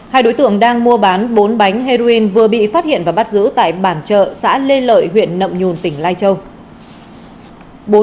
hai đối tượng đang mua bán bốn bánh heroin vừa bị phát hiện và bắt giữ tại bản chợ xã lê lợi huyện nậm nhùn tỉnh lai châu